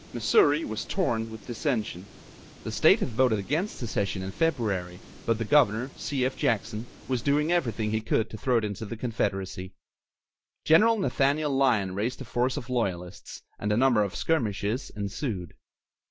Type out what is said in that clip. Missouri was torn with dissension. The state had voted against secession in February, but the governor, C. F. Jackson, was doing everything he could to throw it into the Confederacy. General Nathaniel Lyon raised a force of loyalists, and a number of skirmishes ensued.